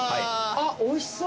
おいしそう。